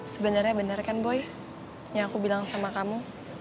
sebenarnya benar kan boy yang aku bilang sama kamu